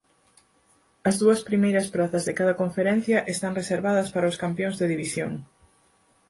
As dúas primeiras prazas de cada conferencia están reservadas para os campións de división.